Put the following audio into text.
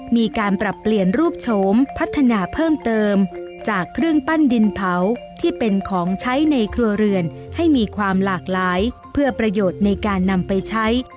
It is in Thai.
มีการปรับเปลี่ยนรูปโฉมพัฒนาเพิ่มเติมจากเครื่องปั้นดินเผาที่เป็นของใช้ในครัวเรือนให้มีความหลากหลายเพื่อประโยชน์ในการนำไปใช้